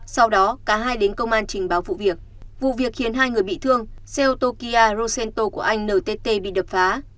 sau đó cả hai đến công an trình báo vụ việc vụ việc khiến hai người bị thương xe ô tô kia rosento của anh ntt bị đập phá